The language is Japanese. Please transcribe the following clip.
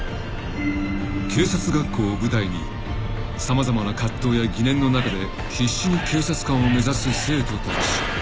［警察学校を舞台に様々な葛藤や疑念の中で必死に警察官を目指す生徒たち］